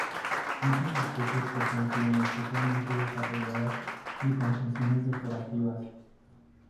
Muchas especies poseen plumas especialmente desarrolladas y con funciones decorativas.